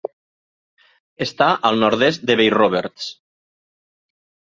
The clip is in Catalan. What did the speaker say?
Està al nord-est de Bay Roberts.